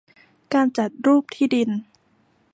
การจัดรูปที่ดิน